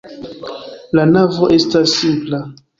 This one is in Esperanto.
La navo estas simpla.